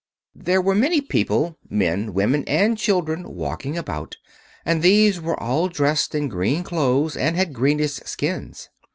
There were many people—men, women, and children—walking about, and these were all dressed in green clothes and had greenish skins.